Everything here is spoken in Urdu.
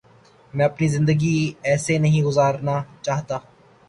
میں اپنی زندگی ایسے نہیں گزارنا چاہتا